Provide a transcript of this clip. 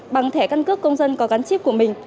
bằng thẻ căn cước công dân có gắn chip của mình